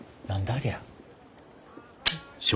ありゃ。